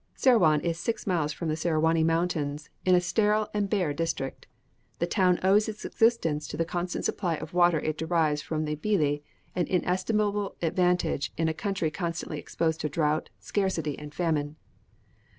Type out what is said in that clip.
Serawan is six miles from the Serawani mountains, in a sterile and bare district. This town owes its existence to the constant supply of water it derives from the Beli, an inestimable advantage in a country constantly exposed to drought, scarcity, and famine.